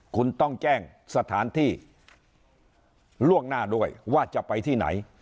คุณต้องแจ้งสถานที่ล่วงหน้าด้วยว่าจะไปที่ไหน